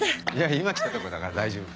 今来たとこだから大丈夫。